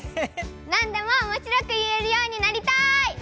なんでもおもしろく言えるようになりたい！